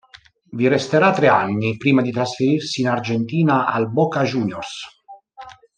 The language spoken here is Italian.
Vi resterà tre anni, prima di trasferirsi in Argentina al Boca Juniors.